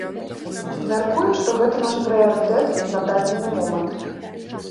Мяркуем, што гэта наш прыярытэт на дадзены момант.